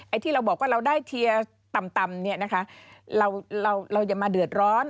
ไอ้ที่เราบอกว่าเราได้เทียร์ต่ำเราอย่ามาเดือดร้อน